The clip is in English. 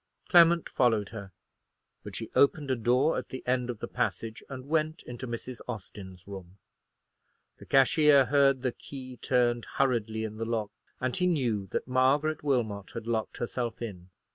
Clement followed her; but she opened a door at the end of the passage, and went into Mrs. Austin's room. The cashier heard the key turned hurriedly in the lock, and he knew that Margaret Wilmot had locked herself in.